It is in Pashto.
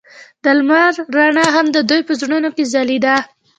د لمر رڼا هم د دوی په زړونو کې ځلېده.